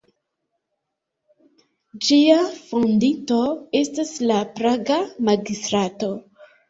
Ĝia fondinto estas la praga magistrato.